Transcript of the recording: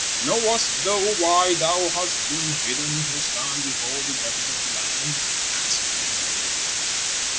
"Knowest thou why thou hast been bidden to stand before the judges of the land?" asked the king.